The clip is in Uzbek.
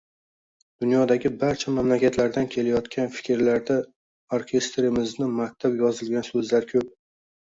Dunyodagi barcha mamlakatlardan kelayotgan fikrlarda orkestrimizni maqtab yozilgan so‘zlar ko‘p.